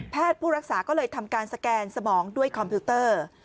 ผู้รักษาก็เลยทำการสแกนสมองด้วยคอมพิวเตอร์